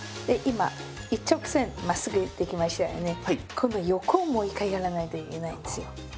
今度は横をもう一回やらないといけないんですよ。